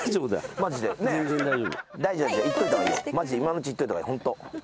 マジで今のうち行っといた方がいいホント。